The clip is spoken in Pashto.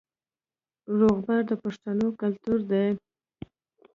روغبړ د پښتنو کلتور دی